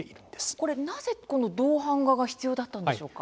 これなぜ銅版画が必要だったんでしょうか？